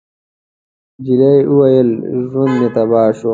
نجلۍ وويل: ژوند مې تباه شو.